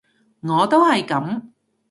我都係噉